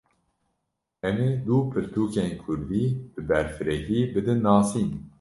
Em ê du pirtûkên Kurdî, bi berfirehî bidin nasîn